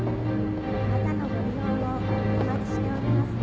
「またのご利用をお待ちしております」